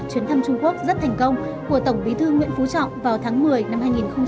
chuyến thăm trung quốc rất thành công của tổng bí thư nguyễn phú trọng vào tháng một mươi năm hai nghìn một mươi ba